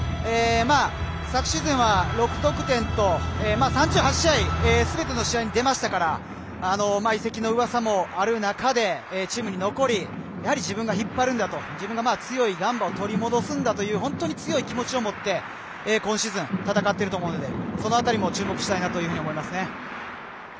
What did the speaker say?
昨シーズンは６得点と３８試合、すべての試合に出ましたから移籍の噂もある中でチームに残り自分が引っ張るんだと自分が強いガンバを取り戻すんだという本当に強い気持ちを持って今シーズン戦っていると思うのでその辺りにも注目したいと思います。